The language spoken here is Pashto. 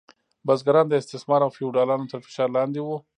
بزګران د استثمار او فیوډالانو تر فشار لاندې وو.